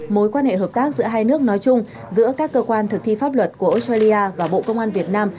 mối quan hệ hợp tác giữa hai nước nói chung giữa các cơ quan thực thi pháp luật của australia và bộ công an việt nam